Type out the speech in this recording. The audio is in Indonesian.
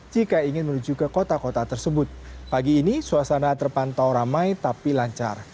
jika ingin menuju ke kota kota tersebut pagi ini suasana terpantau ramai tapi lancar